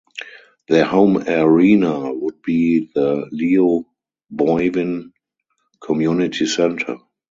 Their home arena would be the Leo Boivin Community Centre.